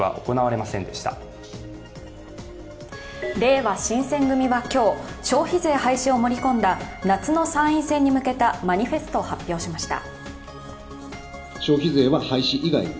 れいわ新選組は今日、消費税廃止を盛り込んだ夏の参院選に向けたマニフェストを発表しました。